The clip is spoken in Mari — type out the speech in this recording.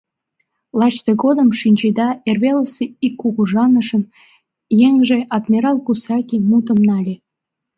Лач тыгодым, шинчеда, эрвелысе ик кугыжанышын еҥже, адмирал Кусаки, мутым нале.